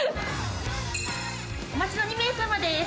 お待ちの２名様です。